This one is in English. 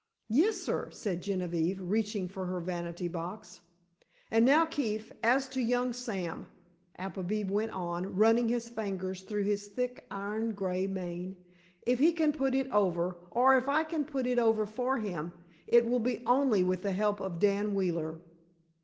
"Yes, sir," said Genevieve, reaching for her vanity box. "And now, Keefe, as to young Sam," Appleby went on, running his fingers through his thick, iron gray mane. "If he can put it over, or if I can put it over for him, it will be only with the help of Dan Wheeler."